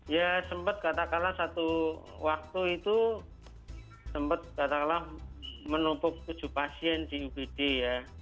ya sempat kata kata satu waktu itu sempat kata kata menumpuk tujuh pasien di ugd ya